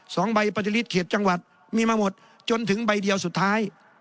สองใบปฏิลิตเขตจังหวัดมีมาหมดจนถึงใบเดียวสุดท้าย